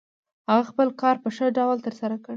هغه خپل کار په ښه ډول ترسره کړ.